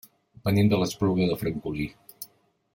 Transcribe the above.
Venim de l'Espluga de Francolí.